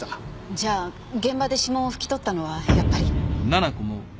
じゃあ現場で指紋をふき取ったのはやっぱり。